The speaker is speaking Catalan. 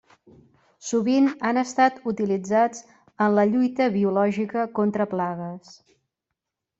Sovint han estat utilitzats en la lluita biològica contra plagues.